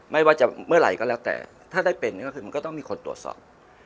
ไม่ว่าจะเมื่อไหร่ก็แล้วแต่ถ้าได้เป็นก็คือมันก็ต้องมีคนตรวจสอบ